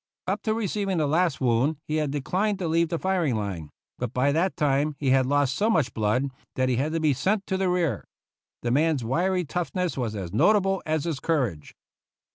Up to receiving the last wound he had declined to leave the fir ing line, but by that time he had lost so much blood that he had to be sent to the rear. The man's wiry toughness was as notable as his cour age.